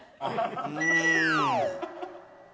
うん。